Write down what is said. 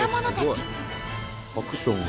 アクションが。